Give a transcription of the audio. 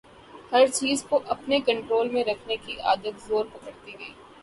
ہر چیز کو اپنے کنٹرول میں رکھنے کی عادت زور پکڑتی گئی ہے۔